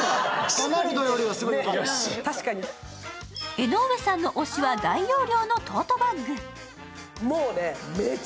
江上さんの推しは大容量のトートバッグ。